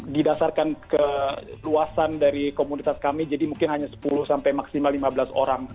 didasarkan keluasan dari komunitas kami jadi mungkin hanya sepuluh sampai maksimal lima belas orang